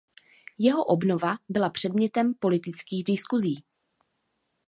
Jeho obnova byla předmětem politických diskuzí.